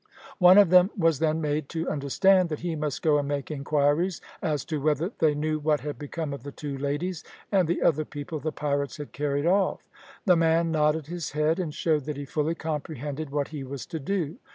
One of them was then made to understand that he must go and make inquiries as to whether they knew what had become of the two ladies and the other people the pirates had carried off. The man nodded his head and showed that he fully comprehended what he was to do.